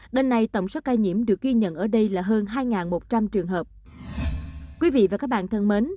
đến nay tổng số ca nhiễm được ghi nhận ở đây là hơn hai một trăm linh trường hợp